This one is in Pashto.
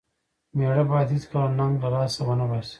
مېړه بايد هيڅکله ننګ له لاسه و نه باسي.